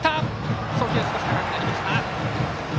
送球が高くなりました。